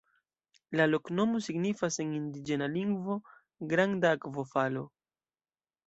La loknomo signifas en indiĝena lingvo: "granda akvofalo".